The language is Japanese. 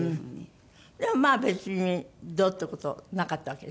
でもまあ別にどうって事なかったわけでしょ？